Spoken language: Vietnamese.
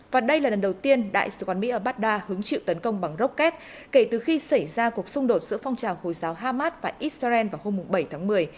và đây là lần đầu tiên đại sứ quán mỹ ở baghdad hứng chịu tấn công bằng rocket kể từ khi xảy ra cuộc xung đột giữa phong trào hồi giáo hamas và israel vào hôm bảy tháng một mươi